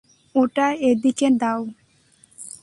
ওটা এদিকে দাও।